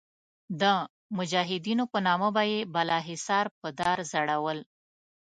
د مجاهدینو په نامه به یې بالاحصار په دار ځړول.